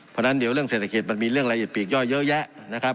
เพราะฉะนั้นเดี๋ยวเรื่องเศรษฐกิจมันมีเรื่องละเอียดปีกย่อยเยอะแยะนะครับ